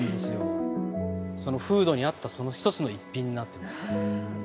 その風土に合ったその一つの一品になってます。